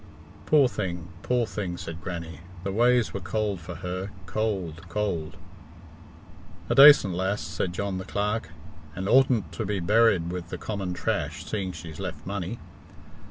"Poor thing! Poor thing!" said Grannie. "The ways were cold for her cold, cold!" "A dacent lass," said John the Clerk; "and oughtn't to be buried with the common trash, seeing she's left money."